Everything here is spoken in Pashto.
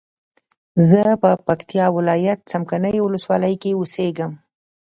زه په پکتیا ولایت څمکنیو ولسوالۍ کی اوسیږم